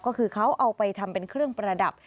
ก็คือเขาเอาไปทำเป็นเครื่องประดับ